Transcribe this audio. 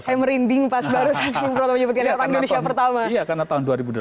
saya merinding pas baru bung proto sebutkan orang indonesia pertama